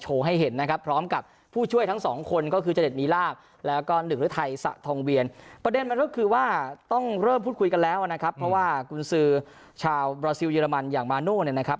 ใจจะปรับที่คุยกันแล้วนะครับเพราะว่ากุญสือชาวเยอรมันอยากมาโน้